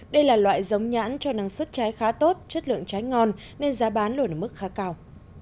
đây là loại giống nhãn cho năng suất trái khá tốt chất lượng trái ngon nên giá bán luôn ở mức khá cao